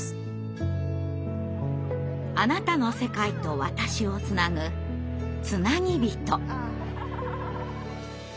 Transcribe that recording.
あなたの世界と私をつなぐつなぎびと。